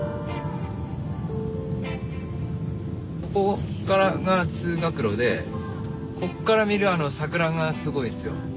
ここからが通学路でこっから見るあの桜がすごいっすよ。